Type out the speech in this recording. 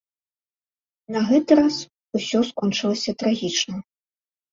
На гэты раз усё скончылася трагічна.